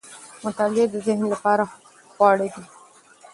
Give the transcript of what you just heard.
مطالعه د ذهن لپاره خواړه دي.